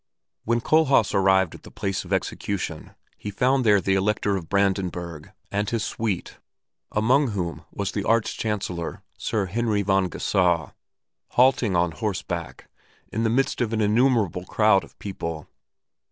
When Kohlhaas arrived at the place of execution he found there the Elector of Brandenburg and his suite, among whom was the Arch Chancellor, Sir Heinrich von Geusau, halting on horseback, in the midst of an innumerable crowd of people.